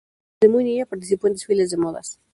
Desde muy niña participó en desfiles de modas.